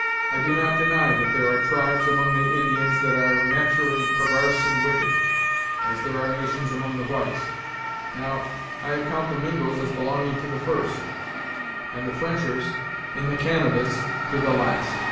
I do not deny that there are tribes among the Indians that are nat'rally pervarse and wicked, as there are nations among the whites. Now, I account the Mingos as belonging to the first, and the Frenchers, in the Canadas, to the last.